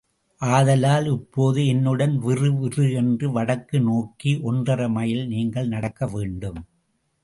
ஆதலால் இப்போது என்னுடன் விறுவிறு என்று வடக்கு நோக்கி ஒன்றரை மைல் நீங்கள் நடக்க வேண்டும்.